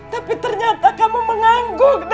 tapi ternyata kamu mengangguk